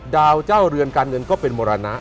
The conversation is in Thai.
ดาวเจ้าเรือนการเงินก็เป็นมรณะ